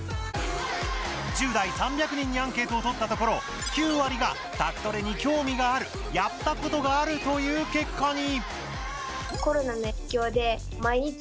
１０代３００人にアンケートをとったところ９割が「宅トレ」に興味があるやったことがあるという結果に！